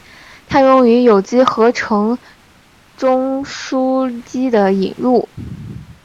它用于有机合成中巯基的引入。